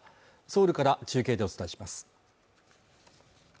ソウルから中継でお伝えします